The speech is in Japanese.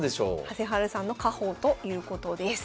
はせはるさんの家宝ということです。